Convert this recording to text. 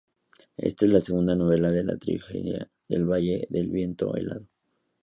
Esta es la segunda novela de la trilogía El valle del viento helado.